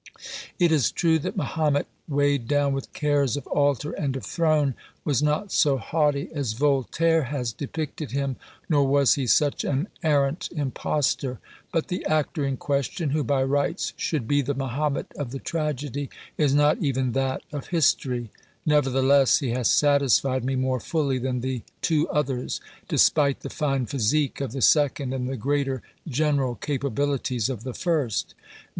It is true that Mahomet, " weigh'd down with cares of altar and of throne," was not so haughty as Voltaire has depicted him, nor was he such an arrant impostor. But the actor in question, who by rights should be the Mahomet of the tragedy, is not even that of history. Nevertheless, he has satisfied me more fully than the two others, despite the fine physique of the second and the greater general capabiUtes of the first.